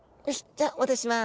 じゃあお渡しします。